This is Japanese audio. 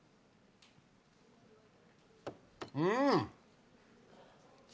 うん！